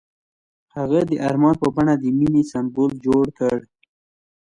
هغه د آرمان په بڼه د مینې سمبول جوړ کړ.